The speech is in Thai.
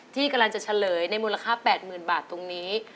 ที่กำลังจะเฉลยในมูลค่า๘๐๐๐บาทตรงนี้